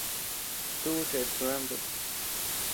Tuʼu cheʼet kulantro.